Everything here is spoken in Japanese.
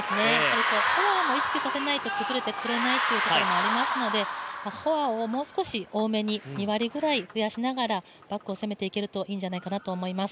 フォアも意識させないと、崩れてくれないということがありますので、フォアを２割くらい増やしながらバックを攻めていけるといいんじゃないかなと思います。